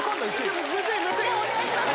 じゃお願いします